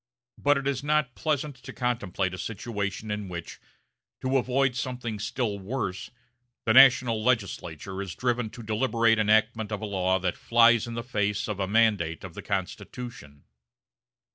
But it is not pleasant to contemplate a situation in which, to avoid something still worse, the national legislature is driven to the deliberate enactment of a law that flies in the face of a mandate of the Constitution.